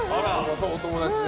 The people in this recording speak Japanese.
お友達で。